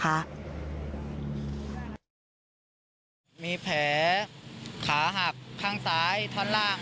อย่างที่พี่กู้ภัยบอกนะคะคนเจ็บอาการไม่ได้หนักมาก